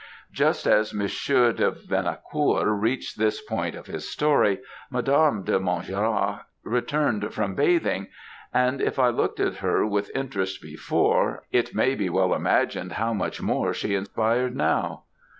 Just as Monsieur de Venacour reached this point of his story, Madame de Montjerac returned from bathing, and if I looked at her with interest before, it may be well imagined how much more she inspired now.